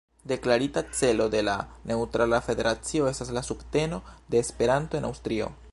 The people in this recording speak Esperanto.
Deklarita celo de la neŭtrala federacio estas la subteno de Esperanto en Aŭstrio.